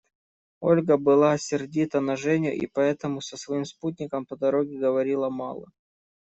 Ольга была сердита на Женю и поэтому со своим спутником по дороге говорила мало.